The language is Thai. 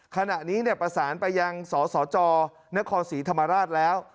ขณะนี้ประสานไปยังสสจนครศรีธรรมราชแล้ว